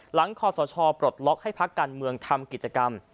คอสชปลดล็อกให้พักการเมืองทำกิจกรรม